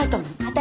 私！